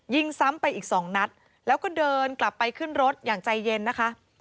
ยิงซ้ำไปอีกสองนัดแล้วก็เดินกลับไปขึ้นรถอย่างใจเย็นนะคะ